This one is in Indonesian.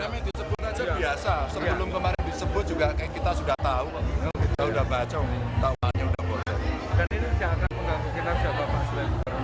dan ini siapa yang mengganggu kita sudah bapak sudah